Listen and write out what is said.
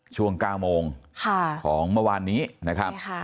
ช่วง๙โมงของเมื่อวานนี้นะครับ